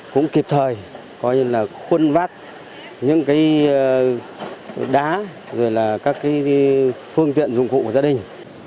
cũng kịp thời coi như là khuân vát những cái đá rồi là các phương tiện dụng cụ của gia đình